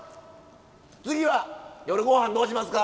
次は夜ごはんどうしますか？